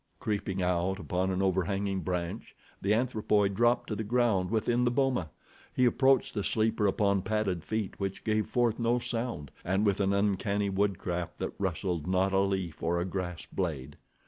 Creeping out upon an overhanging branch the anthropoid dropped to the ground within the boma. He approached the sleeper upon padded feet which gave forth no sound, and with an uncanny woodcraft that rustled not a leaf or a grass blade.